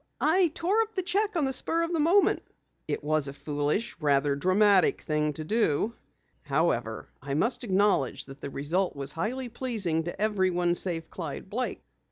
"I tore up the cheque on the spur of the moment." "It was a foolish, rather dramatic thing to do. However, I must acknowledge the result was highly pleasing to everyone save Clyde Blake."